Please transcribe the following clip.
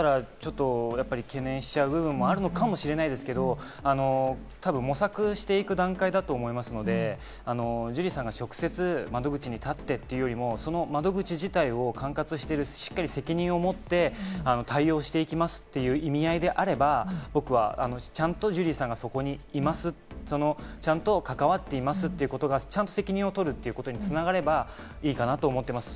どうでしょうね、僕だったら、ちょっとやっぱり懸念しちゃう部分はあるかもしれないですけど、たぶん模索していく段階だと思いますので、ジュリーさんが直接、窓口に立ってというよりも、その窓口自体を管轄してしっかり責任を持って対応していきますという意味合いであれば僕はちゃんとジュリーさんがそこにいます、ちゃんと、そこに関わっていますということが責任をとるということに繋がればいいかなと思っております。